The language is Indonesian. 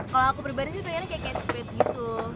kalau aku pribadi sih pengennya kayak catchphrase gitu